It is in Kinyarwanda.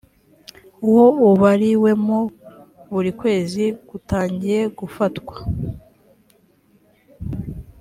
wo ubariwemo buri kwezi gutangiye gufatwa